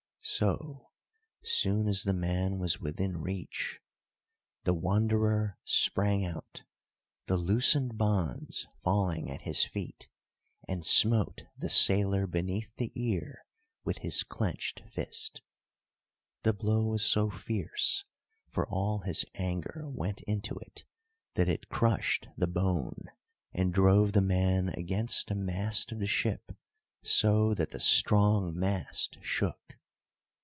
So soon as the man was within reach, the Wanderer sprang out, the loosened bonds falling at his feet, and smote the sailor beneath the ear with his clenched fist. The blow was so fierce, for all his anger went into it, that it crushed the bone, and drove the man against the mast of the ship so that the strong mast shook.